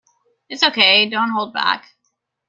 It's ok, don't hold back!.